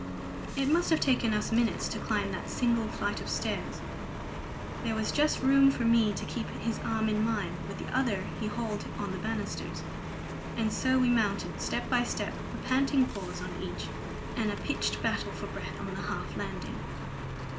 It must have taken us minutes to climb that single flight of stairs. There was just room for me to keep his arm in mine; with the other he hauled on the banisters; and so we mounted, step by step, a panting pause on each, and a pitched battle for breath on the half landing.